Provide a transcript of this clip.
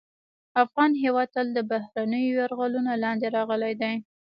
افغان هېواد تل د بهرنیو یرغلونو لاندې راغلی دی